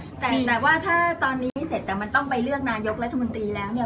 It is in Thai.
แต่ว่าถ้าตอนนี้ไม่เสร็จแต่มันต้องไปเลือกนายกรัฐมนตรีแล้วเนี่ย